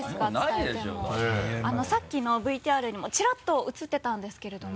さっきのＶＴＲにもちらっと写ってたんですけれども。